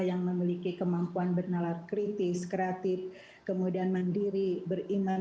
yang memiliki kemampuan bernalar kritis kreatif kemudian mandiri beriman